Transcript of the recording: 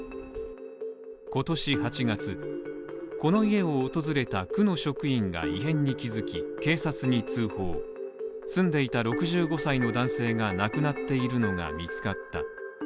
今年８月、この家を訪れた区の職員が異変に気付き、警察に通報住んでいた６５歳の男性が亡くなっているのが見つかった。